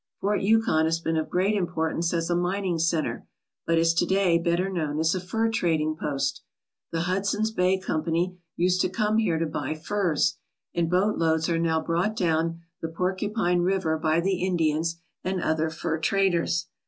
Fort Yukon has been of great importance as a mining centre but is to day better known as a fur trading post. The Hudson's Bay Company used to come here to buy furs, and boat loads are now brought down the Porcupine River by the Indians and other fur traders.